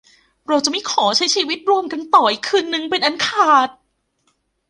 เราจะไม่ขอใช้ชีวิตร่วมกันต่ออีกคืนนึงเป็นอันขาด